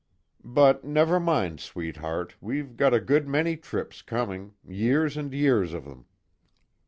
But, never mind, sweetheart, we've got a good many trips coming years and years of them."